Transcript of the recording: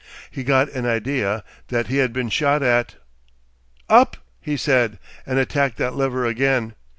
He got an idea that he had been shot at. "Up!" he said, and attacked that lever again.